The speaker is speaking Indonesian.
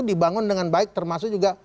dibangun dengan baik termasuk juga